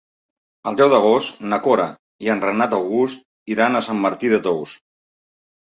El deu d'agost na Cora i en Renat August iran a Sant Martí de Tous.